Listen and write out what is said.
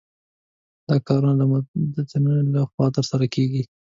دا کارونه د متدینو له خوا ترسره کېږي.